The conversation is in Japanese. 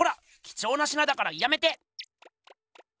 きちょうな品だからやめて！